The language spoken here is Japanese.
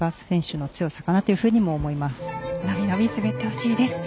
のびのび滑ってほしいです。